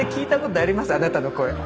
あなたの声。